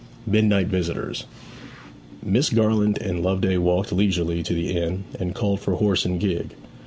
XXXI. MIDNIGHT VISITORS Miss Garland and Loveday walked leisurely to the inn and called for horse and gig.